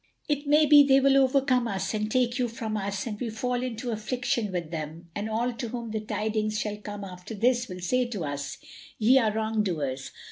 It may be they will overcome us and take you from us and we fall into affliction with them, and all to whom the tidings shall come after this will say to us: 'Ye are wrong doers!